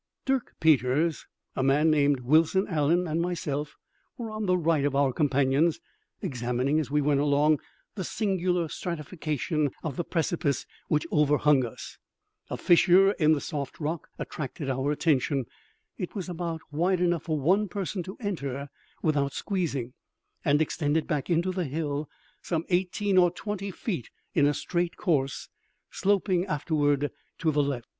Dirk Peters, a man named Wilson Allen, and myself were on the right of our companions, examining, as we went along, the singular stratification of the precipice which overhung us. A fissure in the soft rock attracted our attention. It was about wide enough for one person to enter without squeezing, and extended back into the hill some eighteen or twenty feet in a straight course, sloping afterward to the left.